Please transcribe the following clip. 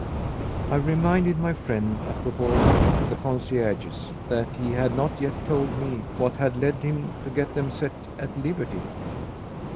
I reminded my friend, apropos of the concierges, that he had not yet told me what had led him to get them set at liberty.